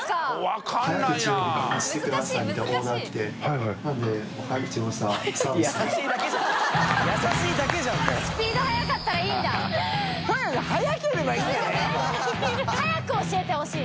若槻）速く教えてほしい。